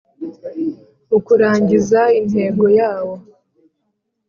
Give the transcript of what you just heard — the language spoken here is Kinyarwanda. Mu kurangiza intego yawo